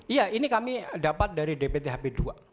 iya ini kami dapat dari dpthp dua